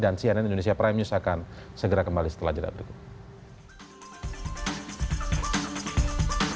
dan cnn indonesia prime news akan segera kembali setelah jadwal berikut